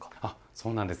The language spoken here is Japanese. そうなんです。